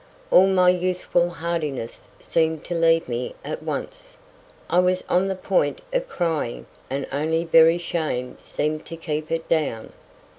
All my youthful hardiness seemed to leave me at once. I was on the point of crying, and only very shame seemed to keep it down.